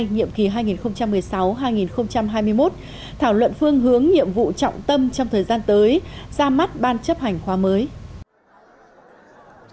nhiệm kỳ hai nghìn một mươi sáu hai nghìn hai mươi một thảo luận phương hướng nhiệm vụ trọng tâm trong thời gian tới ra mắt ban chấp hành khoa mới